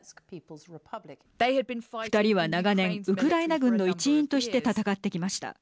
２人は長年、ウクライナ軍の一員として戦ってきました。